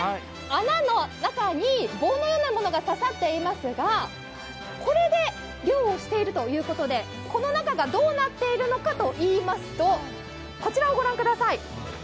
穴の中に棒のようなものが刺さっていますがこれで漁をしているということでこの中がどうなっているのかといいますとこちらを御覧ください。